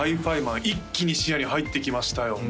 一気に視野に入ってきましたよ